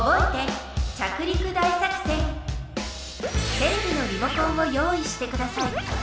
テレビのリモコンを用意してください。